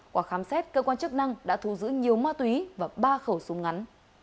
quả khám xét cơ quan chức năng đã thu giữ nhiều ma túy và ba khẩu súng ngắn